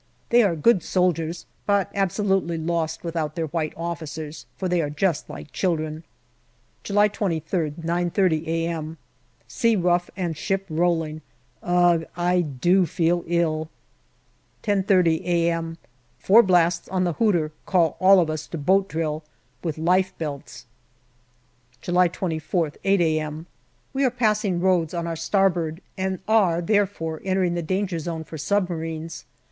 They are good soldiers, but absolutely lost without their white officers, for they are just like children. July 23rd, 93.0 a.m. Sea rough and ship rolling. Ugh ! I do feel ill. 10.30 a.m. Four blasts on the hooter call us all to boat drill, with life belts. July 24,th, 8 a.m. We are passing Rhodes on our starboard, and are, there fore, entering the danger zone for submarines.